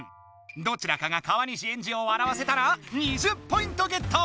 どちらかが川西エンジをわらわせたら２０ポイントゲット！